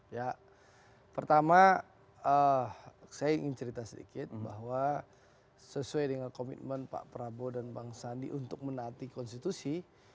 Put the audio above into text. ya pertama saya ingin cerita sedikit bahwa sesuai dengan komitmen pak prabowo dan bang sandi untuk menaati konstitusi